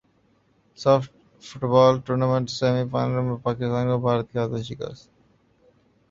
ساف football tournament semi final میں پاکستان کو بھارت کے ہاتھوں شکست